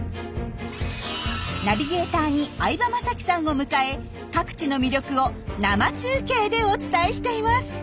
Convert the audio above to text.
ナビゲーターに相葉雅紀さんを迎え各地の魅力を生中継でお伝えしています。